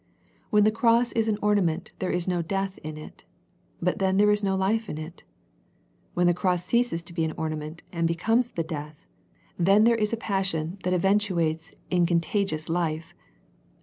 When the Cross is an orna mient there is no death in it, but then there is no life in it. When the Cross ceases to be an ornament and becomes the death, then there is a passion that eventuates in contagious life.